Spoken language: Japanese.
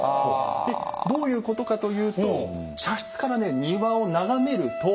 でどういうことかというと茶室からね庭を眺めると。